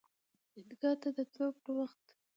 عیدګاه ته د تللو پر وخت